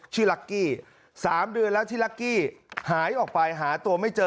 ลักกี้๓เดือนแล้วที่ลักกี้หายออกไปหาตัวไม่เจอ